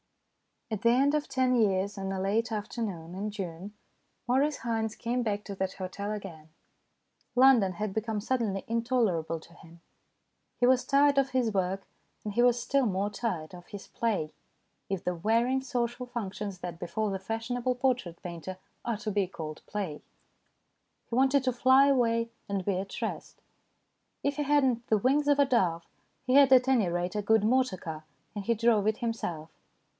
At the end of ten years, on a late afternoon in June, Maurice Haynes came back to that hotel again. London had become suddenly intolerable TOO SOON AND TOO LATE 187 to him. He was tired of his work, and he was still more tired of his play, if the wearying social functions that befall the fashionable portrait painter are to be called play. He wanted to fly away and be at rest. If he had not the wings of a dove, he had, at any rate, a good motor car, and he drove it himself.